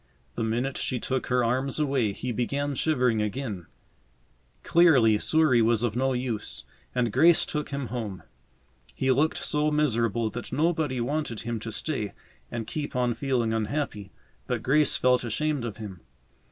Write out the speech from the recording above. The minute she took her arms away he began shivering again. Clearly Souris was of no use, and Grace took him home. He looked so miserable that nobody wanted him to stay and keep on feeling unhappy, but Grace felt ashamed of him.